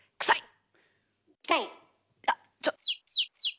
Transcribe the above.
はい。